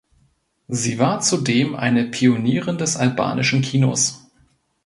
Sie war zudem eine Pionierin des albanischen Kinos.